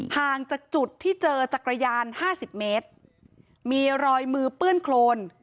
ห่างจากจุดที่เจอจักรยานห้าสิบเมตรมีรอยมือเปื้อนโครน